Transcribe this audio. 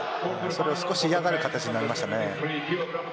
少し嫌がる形になりましたね。